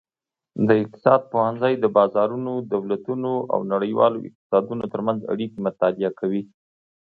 د اقتصاد پوهنځی د بازارونو، دولتونو او نړیوالو اقتصادونو ترمنځ اړیکې مطالعه کوي.